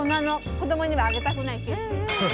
子供にはあげたくないケーキ。